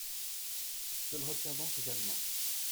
Je le retire donc également.